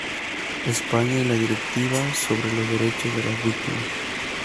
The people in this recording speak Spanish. España y la Directiva sobre los derechos de las víctimas.